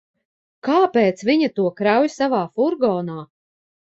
Kāpēc viņa to krauj savā furgonā?